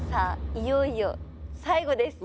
いよいよ最後です。